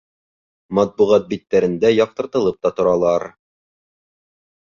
Матбуғат биттәрендә яҡтыртылып та торалар.